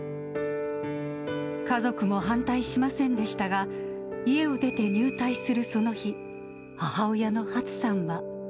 家族も反対しませんでしたが、家を出て入隊するその日、母親のはつさんは。